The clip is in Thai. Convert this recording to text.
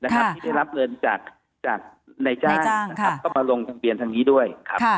ที่ได้รับเงินจากในจ้างก็มาลงทะเบียนทางนี้ด้วยครับ